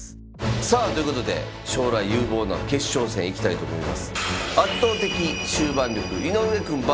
さあということで将来有望な決勝戦いきたいと思います。